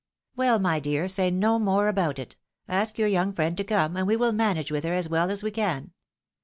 "" Well, my dear, say no more about it ; ask your young friend to come, and we will manage with her as well as we can.